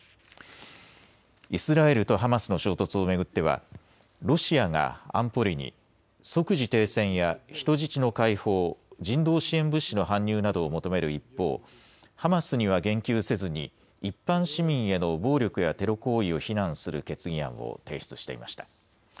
イスラエルとハマスの衝突を巡ってはロシアが安保理に即時停戦や人質の解放、人道支援物資の搬入などを求める一方、ハマスには言及せずに一般市民への暴力やテロ行為を非難する決議案を提出していました。